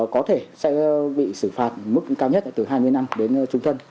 có thể sẽ bị xử phạt mức cao nhất từ hai mươi năm đến trung thân